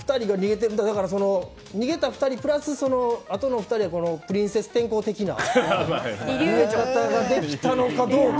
逃げた２人プラスあとの２人はプリンセス天功的な逃げ方ができたのかどうか。